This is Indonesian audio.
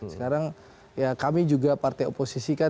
sekarang kami juga partai oposisi